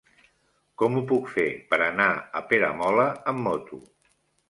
Com ho puc fer per anar a Peramola amb moto?